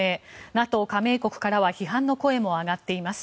ＮＡＴＯ加盟国からは批判の声も上がっています。